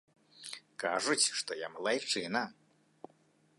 Кажуць, што я малайчына.